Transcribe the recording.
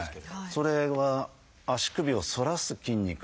それは足首を反らす筋肉。